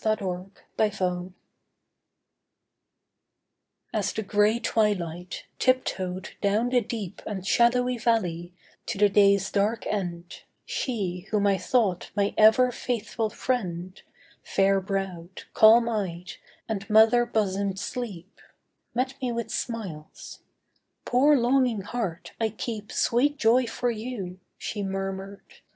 SLEEP'S TREACHERY As the grey twilight, tiptoed down the deep And shadowy valley, to the day's dark end, She whom I thought my ever faithful friend, Fair browed, calm eyed and mother bosomed Sleep, Met me with smiles. 'Poor longing heart, I keep Sweet joy for you,' she murmured.